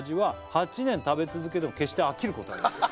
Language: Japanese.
「８年食べ続けても決して飽きることはありません」